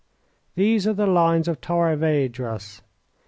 These are the lines of Torres Vedras.